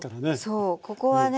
そうここはね